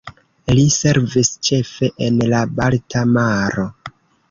Li servis ĉefe en la Balta Maro.